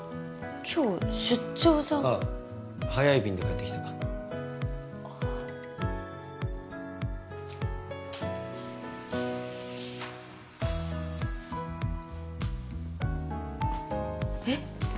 今日出張じゃああ早い便で帰ってきたえっ